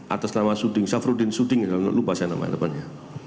atas nama suding safrudin suding lupa saya namanya depannya